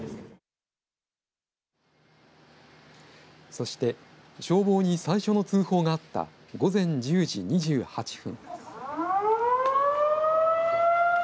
そして消防に最初の通報があった午前１０時２８分。